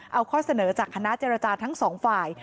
เอาข้อเสนอจากคณะเจรจาทั้งสองฝ่าย